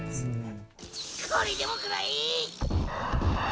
これでもくらえ！